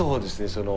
その。